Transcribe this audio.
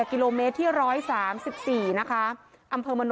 กิโลเมตรที่๑๓๔นะคะ